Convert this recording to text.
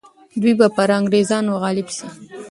دوی به پر انګریزانو غالب سي.